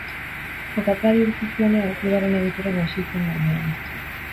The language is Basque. Jokatzeari utzi zionean, klubaren egituran hasi zen lanean.